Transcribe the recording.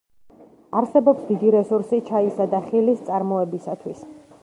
არსებობს დიდი რესურსი ჩაისა და ხილის წარმოებისათვის.